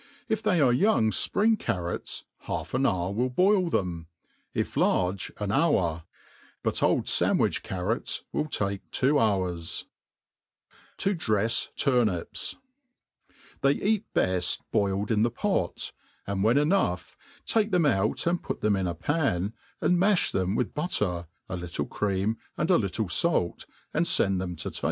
If they are young fprihg catrots, half an hour will boil them $ if large, an hotor $ but old Sandwich carrots will take two hours, 2 r# I. x6 THE ART OF COOKERY 7i drefs Turnips, TH£Y ea^ beft boiled in the pot, and when enough take them out and put them in a pan, and mafli them with batter^ a little cream, and a little fall^ and fend them to table.